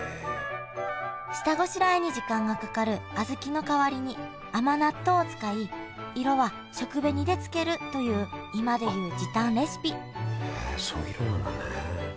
下ごしらえに時間がかかる小豆の代わりに甘納豆を使い色は食紅でつけるという今でいう時短レシピへえそういう色なんだね。